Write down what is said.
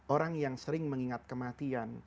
orang yang sering mengingat kematian